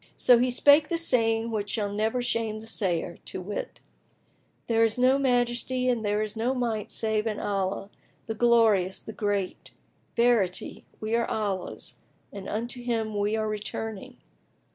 So he spake the saying which shall never shame the sayer, to wit, "There is no Majesty and there is no Might save in Allah, the Glorious, the Great! Verity, we are Allah's and unto Him we are returning!